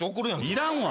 いらんわ。